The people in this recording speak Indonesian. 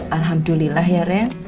alhamdulillah ya ren